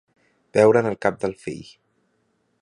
Veure'n el cap del fil.